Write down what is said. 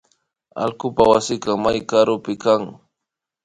Allkupak wasika may karupimi kan